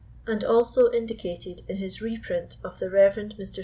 and also indicated in his reprint of the Rev. Mr.